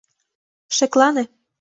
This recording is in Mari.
— Шеклане.